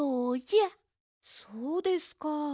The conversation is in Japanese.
そうですか。